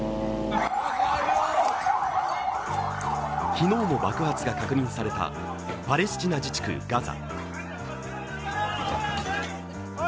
昨日も爆発が確認されたパレスチナ自治区ガザ。